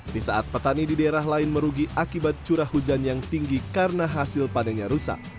di saat petani di daerah lain merugi akibat curah hujan yang tinggi karena hasil padanya rusak